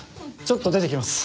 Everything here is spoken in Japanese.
ちょっと出てきます。